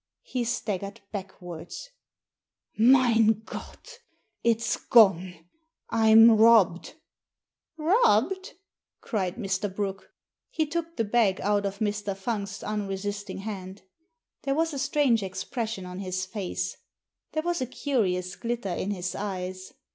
He staggered back wards. " Mein Gott ! It's gone ! I'm robbed I "" Robbed I " cried Mr. Brooke. He took the bag out of Mr. Fungsfs unresisting hand. There was a strange expression on his face ; there was a curious glitter in his eyes.